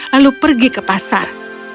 lalu pergi ke pasar